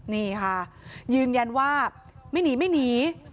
นี่ค่ะยืนยันว่าไม่หนีไม่หนี